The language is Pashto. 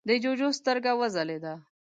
د جُوجُو سترګه وځلېده: